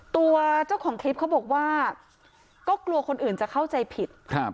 ตัวเจ้าของคลิปเขาบอกว่าก็กลัวคนอื่นจะเข้าใจผิดครับ